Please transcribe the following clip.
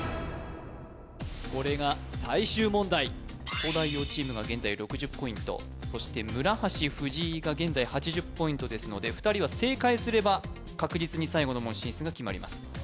これが最終問題東大王チームが現在６０ポイントそして村橋藤井が現在８０ポイントですので２人は正解すれば確実に最後の門進出が決まります